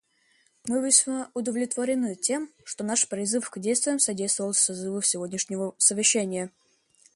Мы весьма удовлетворены тем, что наш призыв к действиям содействовал созыву сегодняшнего Совещания.